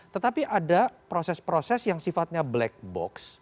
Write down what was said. tetapi ada proses proses yang sifatnya black box